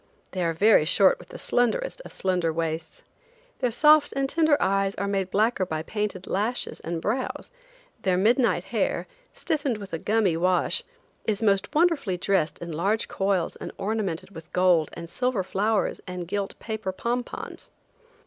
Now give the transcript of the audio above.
They are very short with the slenderest of slender waists. Their soft and tender eyes are made blacker by painted lashes and brows; their midnight hair, stiffened with a gummy wash, is most wonderfully dressed in large coils and ornamented with gold and silver flowers and gilt paper pom pons.